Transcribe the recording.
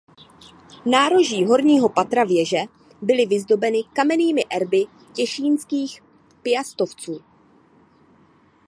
Nároží horního patra věže byly vyzdobeny kamennými erby Těšínských Piastovců.